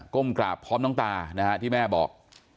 ้มกราบพร้อมน้องตานะฮะที่แม่บอก